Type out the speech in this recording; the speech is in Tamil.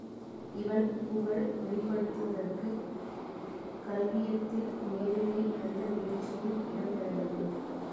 இவன் புகழ் வெளிப்படுவதற்குக் கள்வியத்தில் நேரிடை எந்த நிகழ்ச்சியும் இடம் பெறவில்லை.